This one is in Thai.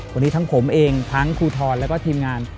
วันนี้ทั้งผมเองทั้งครูทรแล้วก็ทีมงาน